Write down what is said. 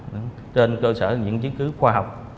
trên cơ sở những chứng cứ khoa học